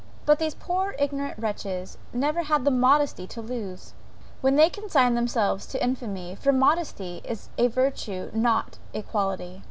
But these poor ignorant wretches never had any modesty to lose, when they consigned themselves to infamy; for modesty is a virtue not a quality.